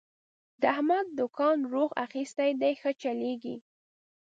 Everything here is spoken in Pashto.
د احمد دوکان روخ اخستی دی، ښه چلېږي.